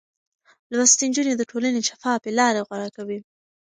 لوستې نجونې د ټولنې شفافې لارې غوره کوي.